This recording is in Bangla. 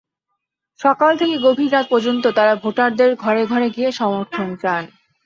সকাল থেকে গভীর রাত পর্যন্ত তাঁরা ভোটারদের ঘরে ঘরে গিয়ে সমর্থন চান।